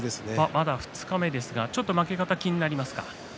まだ二日目ですがちょっと負け方、気になりますか。